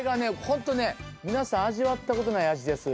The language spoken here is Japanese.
本当ね皆さん味わったことない味です